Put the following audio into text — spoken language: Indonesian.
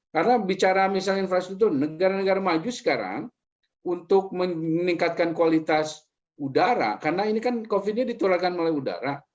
karena bicara infrastruktur negara negara maju sekarang untuk meningkatkan kualitas udara karena ini covid nya diturunkan oleh udara